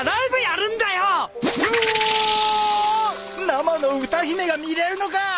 生の歌姫が見れるのか！